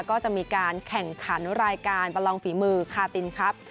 ก็จะมีการแข่งขันรายการประลองฝีมือคาตินครับ